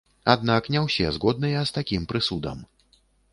Аднак не ўсе згодныя з такім прысудам.